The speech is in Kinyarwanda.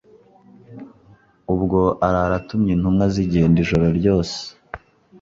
Ubwo arara atumye intumwa zigenda ijoro ryose,